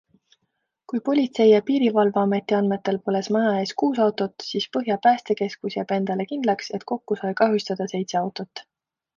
Kui politsei- ja piirivalveameti andmetel põles maja ees kuus autot, siis Põhja päästekeskus jääb endale kindlaks, et kokku sai kahjustada seitse autot.